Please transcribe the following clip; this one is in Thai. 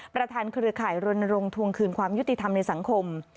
ประทานเครือข่ายโรนโลงทวงคืนความยุติธรรมในสังคม